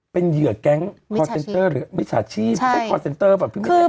เป็นเหยื่อแก๊งคอร์เซ็นเตอร์หรือมิจฉาชีพใช้คอร์เซ็นเตอร์แบบพี่ไม่ได้